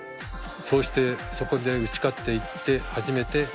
そうしてそこで打ち勝っていって初めて仲間に入れる。